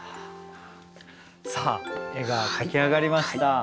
さあ絵が描き上がりました。